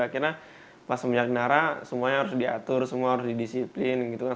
akhirnya pas menjaga nara semuanya harus diatur semua harus didisiplin gitu kan